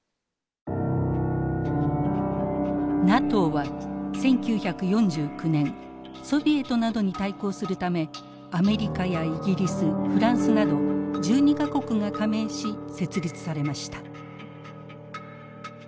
ＮＡＴＯは１９４９年ソビエトなどに対抗するためアメリカやイギリスフランスなど１２か国が加盟し設立されました。